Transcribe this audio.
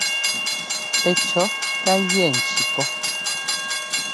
Pɛcʉ̈ ká jʉɛ ŋcí pɔ́.